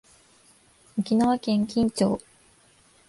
沖縄県金武町